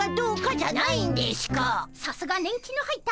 さすが年季の入ったペア。